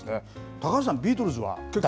高橋さん、ビートルズは結構？